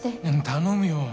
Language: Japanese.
頼むよ。